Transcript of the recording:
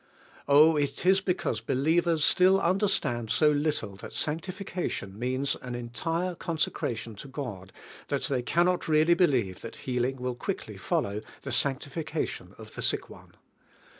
0, it ia because believers still under stand so little that sani'tifiealion means an entire consecration to God that they cannot really believe that healing mil quickly follow the sa notification of the sick one.